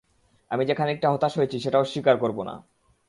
আমি যে খানিকটা হতাশ হয়েছি সেটা অস্বীকার করব না।